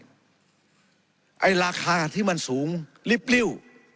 เงินลากคาที่มันสูงริบริ้ว